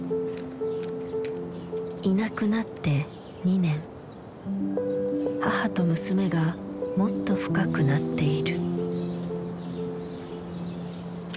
いなくなって２年母と娘がもっと深くなっている。